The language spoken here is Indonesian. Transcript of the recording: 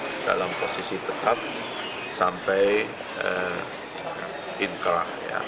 kita kan dalam posisi tetap sampai inkra